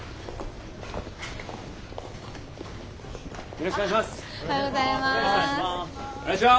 よろしくお願いします。